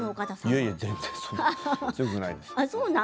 いえいえ、全然そんな強くないです。